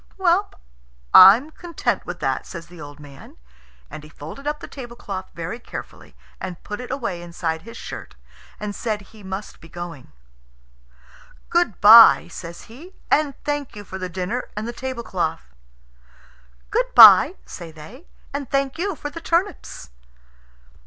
"Well, I'm content with that," says the old man. And he folded up the tablecloth very carefully and put it away inside his shirt, and said he must be going. "Good bye," says he, "and thank you for the dinner and the tablecloth." "Good bye," say they, "and thank you for the turnips."